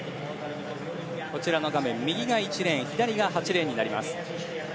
画面右が１レーン左が８レーンになります。